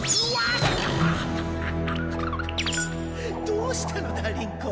どうしたのだ輪子。